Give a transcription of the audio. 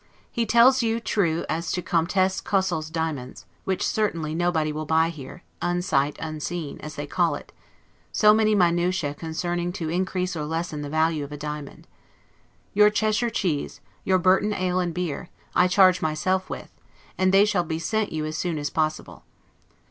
He tells you true as to Comtesse Cosel's diamonds, which certainly nobody will buy here, unsight unseen, as they call it; so many minutiae concurring to increase or lessen the value of a diamond. Your Cheshire cheese, your Burton ale and beer, I charge myself with, and they shall be sent you as soon as possible.